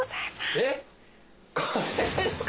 えっこれですか？